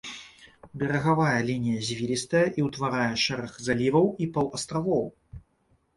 Берагавая лінія звілістая і ўтварае шэраг заліваў і паўастравоў.